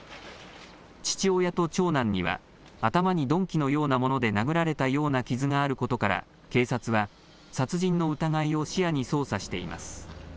父親と長男には、頭に鈍器のようなもので殴られたような傷があることから、警察は殺人の疑いを視野に捜査しています。